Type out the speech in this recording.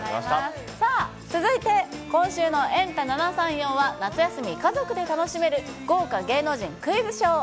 さあ、続いて今週のエンタ７３４は夏休み、家族で楽しめる豪華芸能人クイズショー。